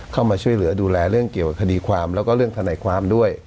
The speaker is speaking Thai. เข้ามาช่วยเหลือดูแลเรื่องเกี่ยวกับคดีความแล้วก็เรื่องทนายความด้วย